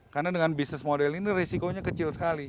karena dengan bisnis model ini risikonya kecil sekali